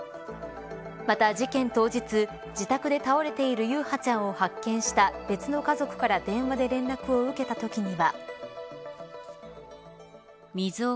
また、事件当日自宅で倒れている優陽ちゃんを発見した別の家族から電話で連絡を受けたときには。